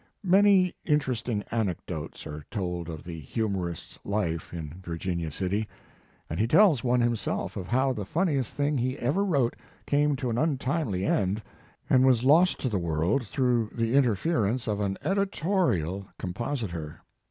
Many interesting anecdotes are told of the humorist s life in Virginia City, and he tells one himself of how the funniest thing he ever wrote came to an untimely end and was lost to the world through the interferance of an "editorial" com positor.